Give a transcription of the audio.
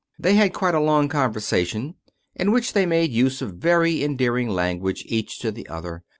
They had quite a long conversation, in which they made use of very endearing language, each to the other.